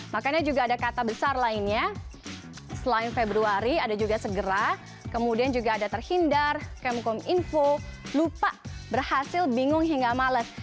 makanya juga ada kata besar lainnya selain februari ada juga segera kemudian juga ada terhindar kemkom info lupa berhasil bingung hingga males